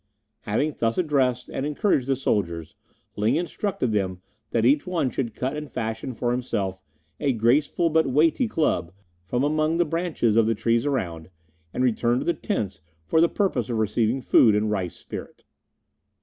Having thus addressed and encouraged the soldiers, Ling instructed them that each one should cut and fashion for himself a graceful but weighty club from among the branches of the trees around, and then return to the tents for the purpose of receiving food and rice spirit.